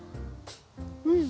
うん！